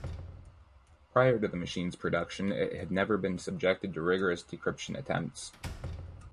Prior to the machine's production, it had never been subjected to rigorous decryption attempts.